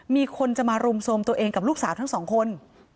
มีคนจะมารุมโทรมตัวเองกับลูกสาวทั้งสองคน